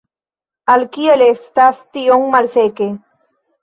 Ah, kiel estas tiom malseke!